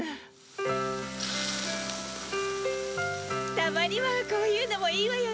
たまにはこういうのもいいわよね。